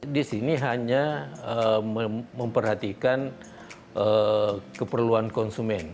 di sini hanya memperhatikan keperluan konsumen